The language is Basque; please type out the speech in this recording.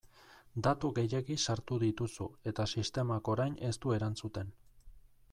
Datu gehiegi sartu dituzu eta sistemak orain ez du erantzuten.